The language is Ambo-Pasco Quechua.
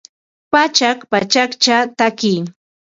Pachak pachakcha tatki